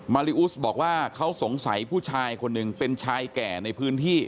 มาริอุสบอกว่าเขาสงสัยผู้ชายคนหนึ่งเป็นชายแก่ในพื้นที่